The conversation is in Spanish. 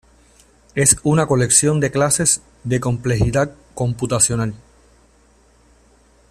Es una colección de clases de complejidad computacional.